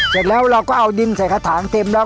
เสร็จแล้วเราก็เอาดินใส่กระถางเต็มแล้ว